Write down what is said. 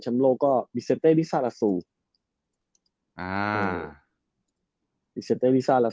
แชมป์โลกก็อา